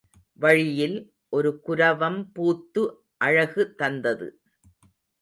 வழியில் ஒரு குரவம் பூத்து அழகு தந்தது.